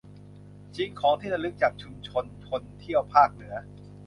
ชิงของของที่ระลึกจากชุมชนคนเที่ยวภาคเหนือ